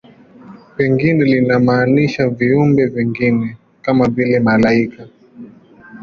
Pengine linamaanisha viumbe vingine, kama vile malaika.